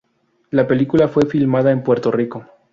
La película fue filmada en Puerto Rico.